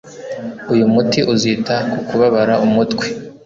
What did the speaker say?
Uyu muti uzita ku kubabara umutwe.